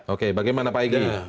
oke bagaimana pak igi